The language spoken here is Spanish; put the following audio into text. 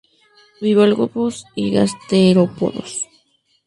Bivalvos y gasterópodos.